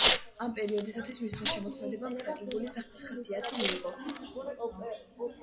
ამ პერიოდისათვის მისმა შემოქმედებამ ტრაგიკული ხასიათი მიიღო.